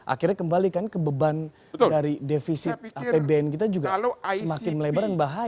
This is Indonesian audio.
akhirnya kembali kan ke beban dari defisit apbn kita juga semakin melebar dan bahaya